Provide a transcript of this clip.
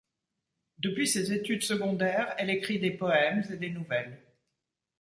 Depuis ses études secondaires elle écrit des poèmes et des nouvelles.